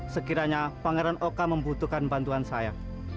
sekiranya pangeran oka membutuhkan bantuan saya